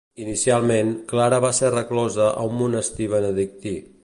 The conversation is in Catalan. Inicialment, Clara va ser reclosa a un monestir benedictí.